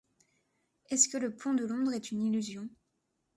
Est-ce que le pont de Londres est une illusion ?